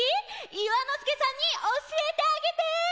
いわのすけさんにおしえてあげて！